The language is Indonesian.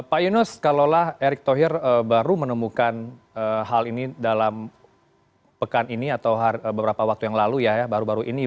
pak yunus kalaulah erick thohir baru menemukan hal ini dalam pekan ini atau beberapa waktu yang lalu ya baru baru ini